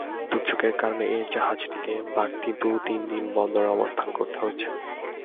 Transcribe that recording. দুর্যোগের কারণে এই জাহাজটিকে বাড়তি দুই তিন দিন বন্দরে অবস্থান করতে হচ্ছে।